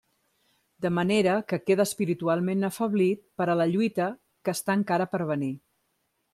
De manera que queda espiritualment afeblit per a la lluita que està encara per venir.